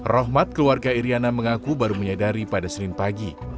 rohmat keluarga iryana mengaku baru menyadari pada senin pagi